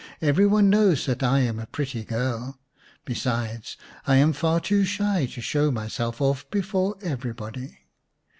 " Every one knows that I am a pretty girl. Besides, I am far too shy to show myself off before everybody."